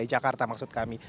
di jakarta maksud kami